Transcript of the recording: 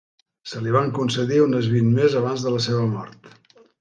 Se li van concedir unes vint més abans de la seva mort.